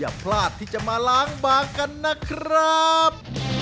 พลาดที่จะมาล้างบางกันนะครับ